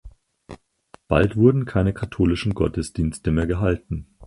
Bald wurden keine katholischen Gottesdienste mehr gehalten.